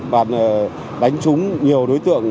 và đánh trúng nhiều đối tượng